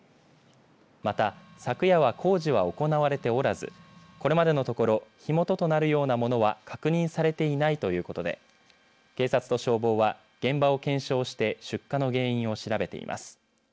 また、昨夜は工事は行われておらずこれまでのところ火元となるようなものは確認されていないということで警察と消防は現場を検証して出火の原因を調べています。